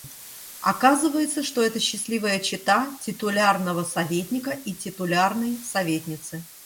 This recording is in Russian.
Оказывается, что это счастливая чета титулярного советника и титулярной советницы.